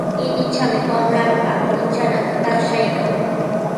Inichami wamranpa inchananta taqshaykan.